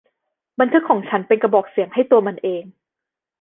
บันทึกของฉันเป็นกระบอกเสียงให้ตัวมันเอง